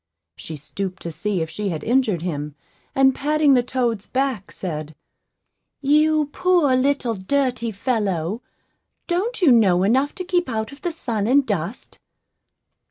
She stooped to see if she had injured him, and patting the toad's back, said, "You poor little dirty fellow, don't you know enough to keep out of the sun and dust?"